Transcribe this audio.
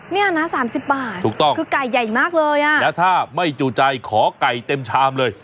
เนี่ยนะสามสิบบาทถูกต้องคือไก่ใหญ่มากเลยอ่ะแล้วถ้าไม่จู่ใจขอไก่เต็มชามเลย